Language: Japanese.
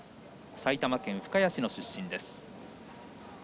埼玉県深谷市の出身です。